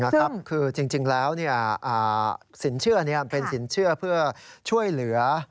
คือจริงแล้วสินเชื่อนี้เป็นสินเชื่อเพื่อช่วยเหลือ